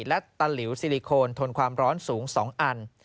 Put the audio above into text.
และตะหลิวซิลิโคนทนความร้อนสูง๒อัน